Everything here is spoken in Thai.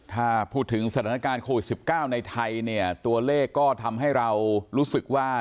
ถ้าพูดถึงสถานการณ์โควิด๑๙ในไทยเนี่ยตัวเลขก็ทำให้เรารู้สึกว่า